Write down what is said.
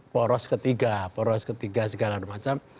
poros ketiga poros ketiga segala macam